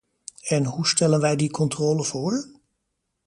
En hoe stellen wij die controle voor?